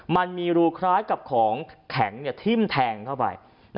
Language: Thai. มันมีรูคล้ายกับของแข็งทิ้มแทงเข้าไป